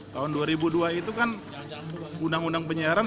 tahun dua ribu dua itu kan undang undang penyiaran